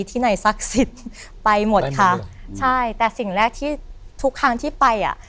ที่ไหนศักดิ์สิทธิ์ไปหมดค่ะใช่แต่สิ่งแรกที่ทุกครั้งที่ไปอ่ะ